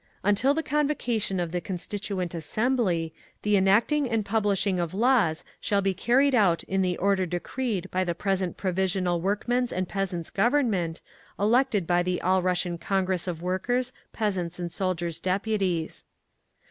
Until the convocation of the Constituent Assembly, the enacting and publishing of laws shall be carried out in the order decreed by the present Provisional Workmen's and Peasants' Government, elected by the All Russian Congress of Workers', Peasants' and Soldiers' Deputies.